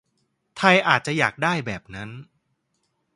ไทยอาจจะอยากได้แบบนั้น